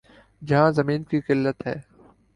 جہاں زمین کی قلت ہے۔